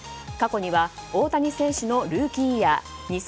過去には大谷選手のルーキーイヤー